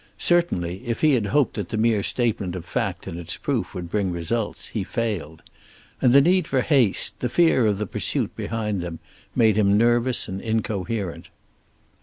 Certainly, if he had hoped that the mere statement of fact and its proof would bring results, he failed. And the need for haste, the fear of the pursuit behind them, made him nervous and incoherent.